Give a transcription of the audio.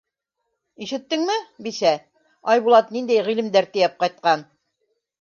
— Ишеттеңме, бисә, Айбулат ниндәй ғилемдәр тейәп ҡайтҡан.